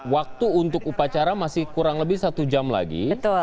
waktu untuk upacara masih kurang lebih satu jam lagi